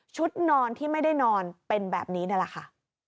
นอนที่ไม่ได้นอนเป็นแบบนี้นั่นแหละค่ะ